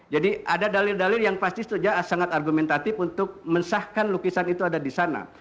jadi ada dalil dalil yang pasti itu saja sangat argumentatif untuk mensahkan lukisan itu ada di sana